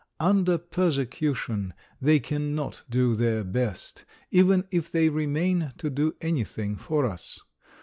Under persecution they cannot do their best, even if they remain to do anything for us.